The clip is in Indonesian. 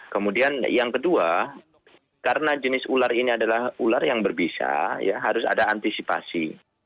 kemudian yang kedua karena jenis ular ini adalah ular yang berbisa ya harus ada antisipasi